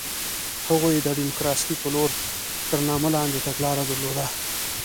هغوی د ډیموکراسۍ په لور تر نامه لاندې تګلاره درلوده.